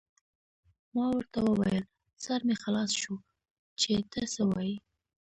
ما ورته وویل: سر مې خلاص شو، چې ته څه وایې.